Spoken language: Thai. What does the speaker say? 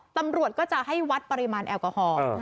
ตำรวจก็จะให้วัดปริมาณแอลกอฮอล์